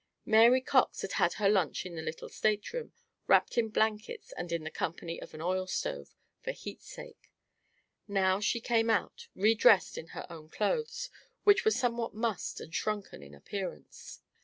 Mary Cox had had her lunch in the little stateroom, wrapped in blankets and in the company of an oil stove, for heat's sake. Now she came out, re dressed in her own clothes, which were somewhat mussed and shrunken in appearance.